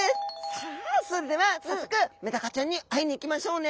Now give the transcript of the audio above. さあそれでは早速メダカちゃんに会いに行きましょうね。